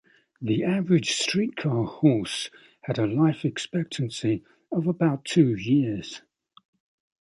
The average street car horse had a life expectancy of about two years.